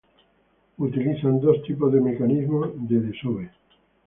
Utilizan dos tipos de mecanismo de desove.